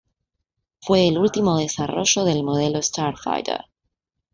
Fue el último desarrollo del modelo Starfighter.